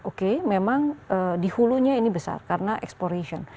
oke memang di hulunya ini besar karena exploration